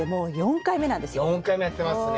４回目やってますね。